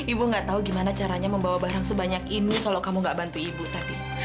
ibu nggak tahu gimana caranya membawa barang sebanyak ini kalau kamu gak bantu ibu tadi